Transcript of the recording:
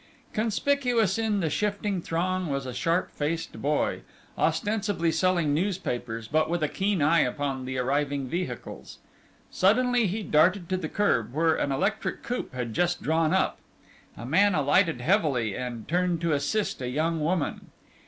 Conspicuous in the shifting throng was a sharp faced boy, ostensibly selling newspapers, but with a keen eye upon the arriving vehicles. Suddenly he darted to the curb, where an electric coupe had just drawn up. A man alighted heavily, and turned to assist a young woman.